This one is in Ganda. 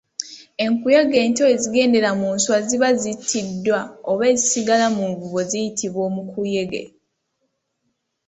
Enkuyege ento ezigendera mu nswa eziba zittiddwa oba ezisigala mu nvubo ziyitibwa omukuyege.